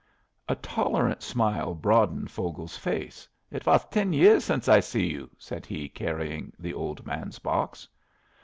A tolerant smile broadened Vogel's face. "It was ten years since I see you," said he, carrying the old man's box.